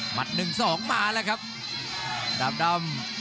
หนึ่งสองมาแล้วครับดาบดำ